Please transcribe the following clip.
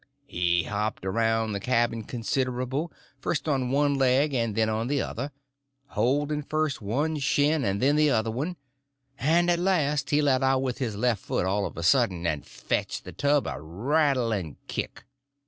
He hopped around the cabin considerable, first on one leg and then on the other, holding first one shin and then the other one, and at last he let out with his left foot all of a sudden and fetched the tub a rattling kick.